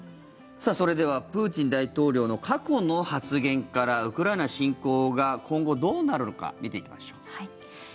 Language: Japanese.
それではプーチン大統領の過去の発言からウクライナ侵攻が今後どうなるのか見ていきましょう。